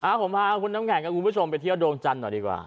ผมพาคุณน้ำแข็งกับคุณผู้ชมไปเที่ยวดวงจันทร์หน่อยดีกว่า